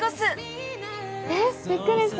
えっビックリした！